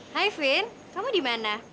hai vin kamu dimana